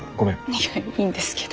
いやいいんですけど。